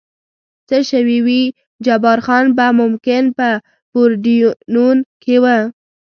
څه شوي وي، جبار خان به ممکن په پورډینون کې و.